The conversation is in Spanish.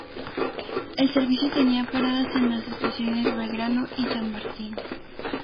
El servicio tenía paradas en las estaciones Belgrano y San Martín.